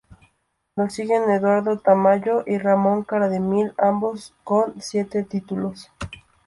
Lo siguen Eduardo Tamayo y Ramón Cardemil, ambos con siete títulos.